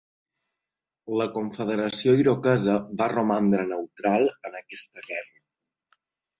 La Confederació Iroquesa va romandre neutral en aquesta guerra.